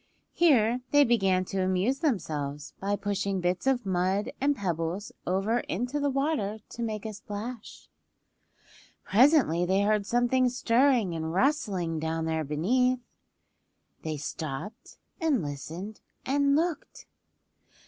Here they began to amuse themselves by pushing bits of mud and pebbles over into the water to make a splash. Presently they heard something stirring and rustling down there beneath. They stopped and listened and looked.